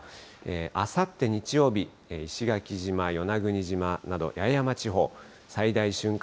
あさって日曜日、石垣島、与那国島など、八重山地方、最大瞬間